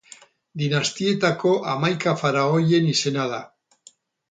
Dinastietako hamaika faraoien izena da.